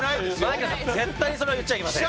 槙野さん絶対にそれは言っちゃいけません。